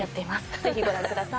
ぜひ御覧ください。